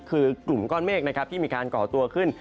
คือกลุ่มก้อนเมฆนะครับที่มีการก่อตัวขึ้น